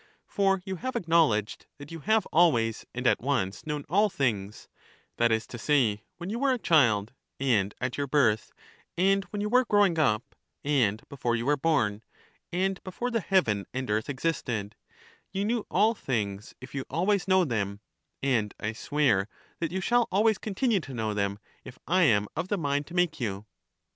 for you have acknowledged that you have always and at once known all things, that is to say, when you were a child, and at your birth, and when you were growing up, and before you were born, and before the heaven and earth existed, you knew all things if you always know them; and I swear that you shall always con tinue to know them if I am of the mind to make you.